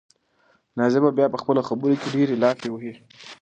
نازیه به بیا په خپلو خبرو کې ډېرې لافې وهي.